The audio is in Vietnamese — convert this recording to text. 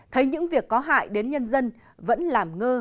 thấy những việc có hại đến nhân dân vẫn làm ngơ